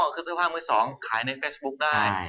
คือเสื้อผ้ามือสองขายในเฟซบุ๊คได้